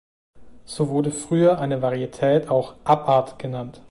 So wurde früher eine Varietät auch "Abart" genannt.